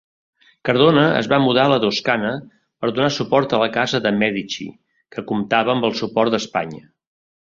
Cardona es va mudar a la Toscana per donar suport a la Casa de Mèdici, que comptava amb el suport d'Espanya.